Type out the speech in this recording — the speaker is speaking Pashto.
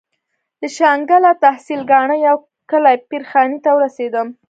د شانګله تحصيل کاڼه يو کلي پير خاني ته ورسېدم.